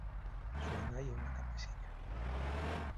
Súa nai é unha campesiña.